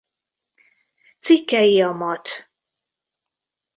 Cikkei a math.